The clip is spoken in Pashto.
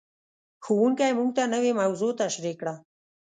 ښوونکی موږ ته نوې موضوع تشریح کړه.